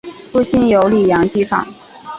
附近有里扬机场。